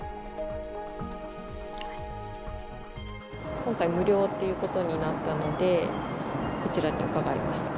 今回、無料ということになったので、こちらに伺いました。